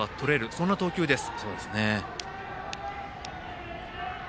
そんな投球です。